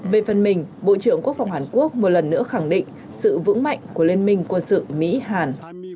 về phần mình bộ trưởng quốc phòng hàn quốc một lần nữa khẳng định sự vững mạnh của liên minh quân sự mỹ hàn